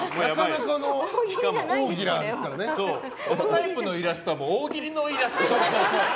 このタイプのイラストは大喜利のイラスト。